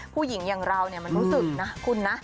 อย่างเรามันรู้สึกนะคุณนะ